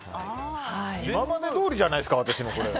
今までどおりじゃないですか私の。